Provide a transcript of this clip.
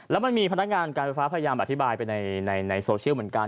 แล้วมันมีพนักงานการไฟฟ้าพยายามอธิบายไปในโซเชียลเหมือนกัน